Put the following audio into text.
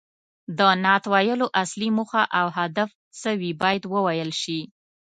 د نعت ویلو اصلي موخه او هدف څه وي باید وویل شي.